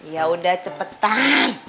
ya udah cepetan